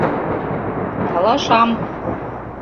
Талашам!